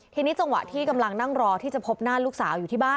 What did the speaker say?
ทีนี้จังหวะที่กำลังนั่งรอที่จะพบหน้าลูกสาวอยู่ที่บ้าน